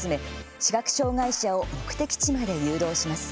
視覚障害者を目的地まで誘導します。